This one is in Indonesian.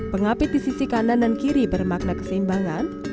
pengapit di sisi kanan dan kiri bermakna keseimbangan